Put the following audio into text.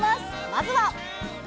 まずは。